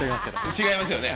違いますよね。